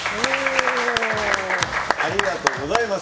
ありがとうございます。